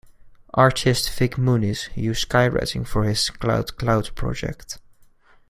Artist Vik Muniz used skywriting for his "cloud cloud" project.